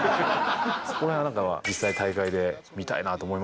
そこら辺実際大会で見たいなと思いましたね。